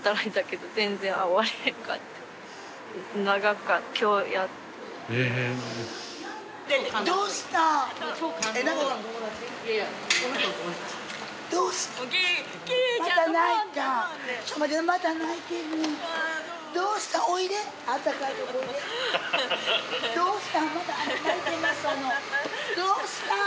どうした？